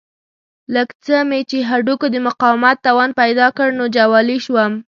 لږ څه مې چې هډوکو د مقاومت توان پیدا کړ نو جوالي شوم.